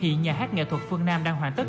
hiện nhà hát nghệ thuật phương nam đang hoàn tất